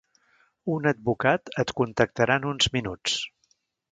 Un advocat et contactarà en uns minuts.